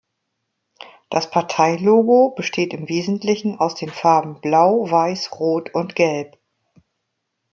Das Partei-Logo besteht im Wesentlichen aus den Farben blau, weiß, rot und gelb.